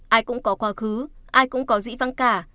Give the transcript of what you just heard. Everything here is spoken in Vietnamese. ai cũng có quá khứ ai cũng có dĩ văn cả